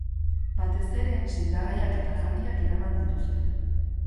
Batez ere, sendagaiak eta jakiak eraman dituzte.